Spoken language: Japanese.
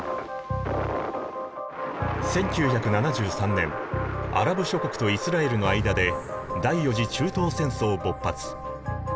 １９７３年アラブ諸国とイスラエルの間で第４次中東戦争勃発。